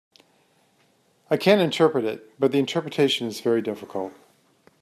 I can interpret it, but the interpretation is very difficult.